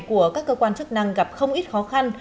của các cơ quan chức năng gặp không ít khó khăn